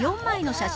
写真。